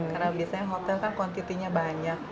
karena biasanya hotel kan kuantitinya banyak